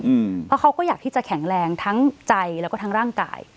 เพราะเขาก็อยากที่จะแข็งแรงทั้งใจแล้วก็ทั้งร่างกาย